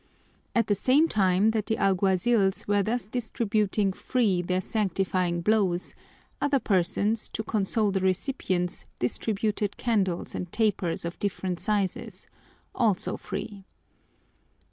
At the same time that the alguazils were thus distributing free their sanctifying blows, other persons, to console the recipients, distributed candles and tapers of different sizes, also free.